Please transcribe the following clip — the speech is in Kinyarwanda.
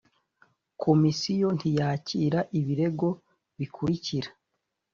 Komisiyo ntiyakira ibirego bikurikira